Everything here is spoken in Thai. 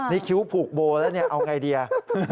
นี่คิ้วผูกโบแล้วเอาอย่างไรเดี๋ยว